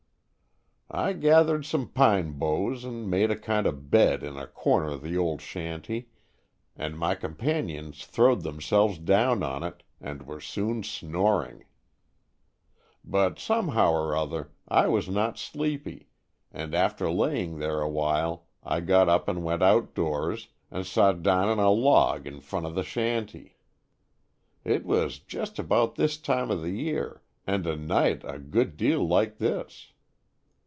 "I gethered some pine boughs and made a kind o' bed in a corner of the old shanty and my companions throwed themselves down on it, and were soon snoring. But somehow or other I was not sleepy and after laying there awhile I got up and went out doors and sot 47 Stories from the Adirondack down on a log in front of the shanty. It was jest ebout this time o' the year and a night a good deal like this.